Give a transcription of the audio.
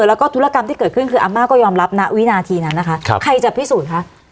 แล้วก็ธุรกรรมที่เกิดขึ้นคืออาม่าก็ยอมรับนะวินาทีนั้นนะคะใครจะพิสูจน์คะ